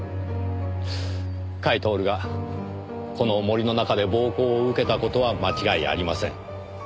甲斐享がこの森の中で暴行を受けた事は間違いありません。